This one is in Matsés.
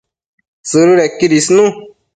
Sëdëdequid isnu